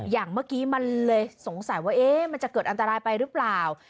อย่างเมื่อกี้มันเลยสงสัยว่ามันจะเกิดอันตรายไปหรือเปล่า